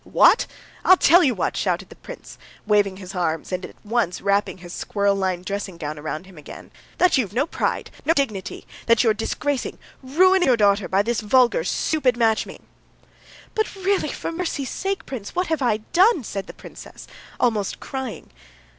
"What? I'll tell you what!" shouted the prince, waving his arms, and at once wrapping his squirrel lined dressing gown round him again. "That you've no pride, no dignity; that you're disgracing, ruining your daughter by this vulgar, stupid matchmaking!" "But, really, for mercy's sake, prince, what have I done?" said the princess, almost crying.